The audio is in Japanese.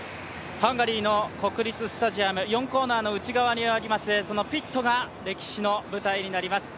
ハンガリーの国立スタジアム、４コーナーの内側にあります、そのピットが歴史の舞台になります。